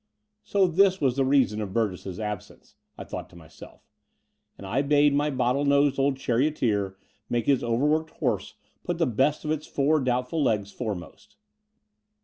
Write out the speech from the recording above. So this was the reason of Btirgess's absence, I thought to myself; and I bade my bottle nosed old charioteer make his overworked horse put the best of its four doubtful legs foremost.